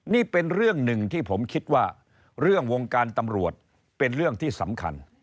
นี่เป็นเรื่องหนึ่งที่ผมคิดว่าเรื่องวงการตำรวจเป็นเรื่องที่สำคัญ